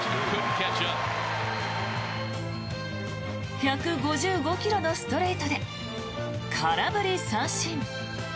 １５５ｋｍのストレートで空振り三振。